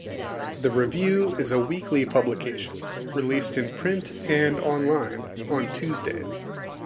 "The Review" is a weekly publication, released in print and online on Tuesdays.